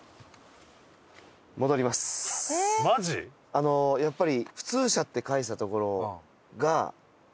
あのやっぱり。